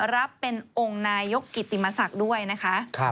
รับเป็นองค์นายกกิติมศักดิ์ด้วยนะคะ